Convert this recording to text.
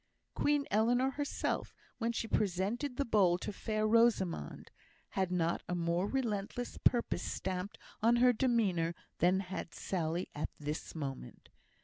Queen Eleanor herself, when she presented the bowl to Fair Rosamond, had not a more relentless purpose stamped on her demeanour than had Sally at this moment.